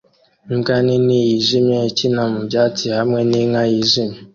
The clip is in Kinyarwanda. Imbwa nini yijimye ikina mubyatsi hamwe ninka yijimye